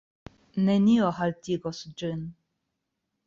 Nenio haltigos ĝin.